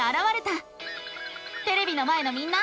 テレビの前のみんな！